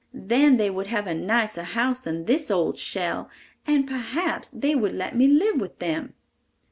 Then they would have a nicer house than this old shell, and perhaps they would let me live with them!"